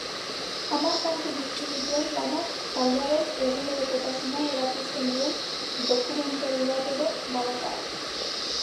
Hamar kantu biltzen dituen lanak taldearen egunerokotasuna erakusten duen dokumental bat ere badakar.